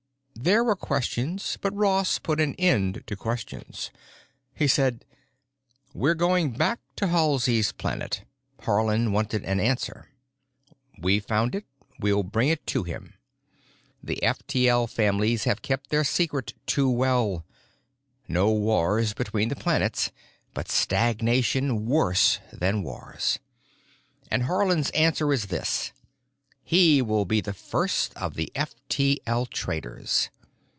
There were questions; but Ross put an end to questions. He said, "We're going back to Halsey's Planet. Haarland wanted an answer. We've found it; we'll bring it to him. The F T L families have kept their secret too well. No wars between the planets—but stagnation worse than wars. And Haarland's answer is this: He will be the first of the F T L traders.